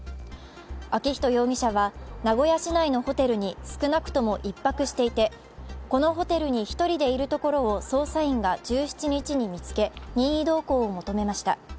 昭仁容疑者は名古屋市内のホテルに少なくとも１泊していて、このホテルに一人でいるところを捜査員が１７日に見つけ任意同行を求めました。